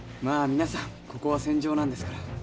まあ皆さんここは戦場なんですから。